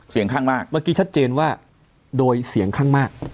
เสียงข้างมากเมื่อกี้ชัดเจนว่าโดยเสียงข้างมาก